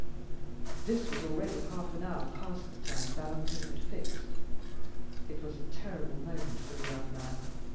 This was already half an hour past the time Valentine had fixed. It was a terrible moment for the young man.